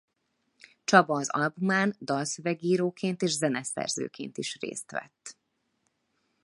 Csaba az albumán dalszövegíróként és zeneszerzőként is részt vett.